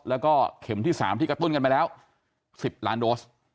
แล้วก็เข็มที่๓ที่กระตุ้นกันไปแล้ว๑๐ล้านโดส